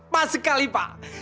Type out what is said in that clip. pas sekali pak